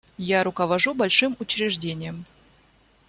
Я руковожу большим учреждением.